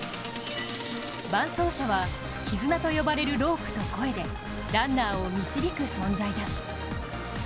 伴走者は、きずなと呼ばれるロープと声でランナーを導く存在だ。